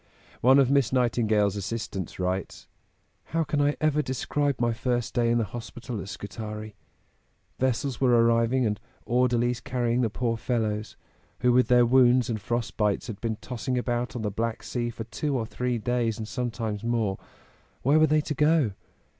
One of Miss Nightingale's assistants writes: "How can I ever describe my first day in the hospital at Scutari? Vessels were arriving and orderlies carrying the poor fellows, who with their wounds and frost bites had been tossing about on the Black Sea for two or three days and sometimes more. Where were they to go?